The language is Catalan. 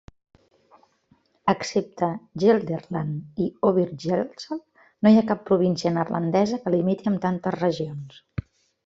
Excepte Gelderland i Overijssel, no hi ha cap província neerlandesa que limiti amb tantes regions.